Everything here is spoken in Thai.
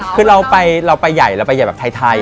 คือเราไปหยัดแบบไทยอ่ะ